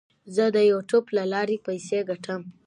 زه د یوټیوب له لارې پیسې ګټم.